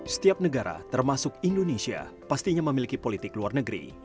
setiap negara termasuk indonesia pastinya memiliki politik luar negeri